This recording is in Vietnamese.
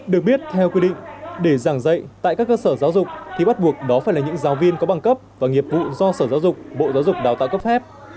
được biết theo quy định để giảng dạy tại các cơ sở giáo dục thì bắt buộc đó phải là những giáo viên có bằng cấp và nghiệp vụ do sở giáo dục bộ giáo dục đào tạo cấp phép